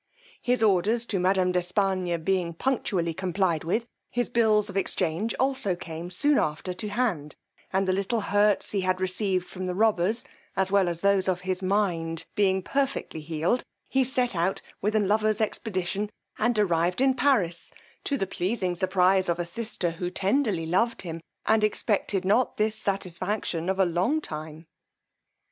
His orders to madam d' Espargnes being punctually complied with, his bills of exchange also came soon after to hand; and the little hurts he had received from the robbers, as well as those of his mind, being perfectly healed, he set out with a lover's expedition, and arrived in Paris to the pleasing surprize of a sister who tenderly loved him, and expected not this satisfaction of a long time.